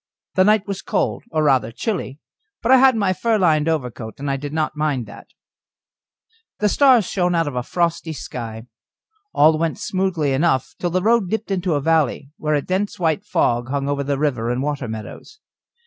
The night was cold, or rather chilly, but I had my fur lined overcoat, and did not mind that. The stars shone out of a frosty sky. All went smoothly enough till the road dipped into a valley, where a dense white fog hung over the river and the water meadows.